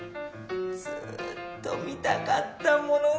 ずっと見たかったものが。